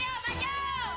mau buang kedemang